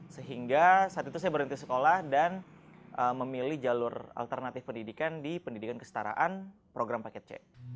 sehingga saat itu saya berhenti sekolah dan memilih jalur alternatif pendidikan di pendidikan kestaraan program paket c